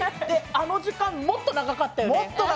あの時間、もっと長かったよね。